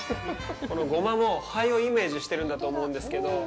このゴマも、灰をイメージしているんだと思うんですけど。